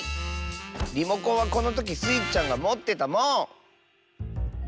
リモコンはこのときスイちゃんがもってたもん！